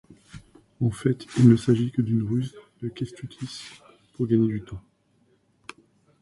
En fait, il ne s’agit que d’une ruse de Kęstutis pour gagner du temps.